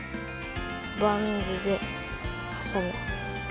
バンズではさむ。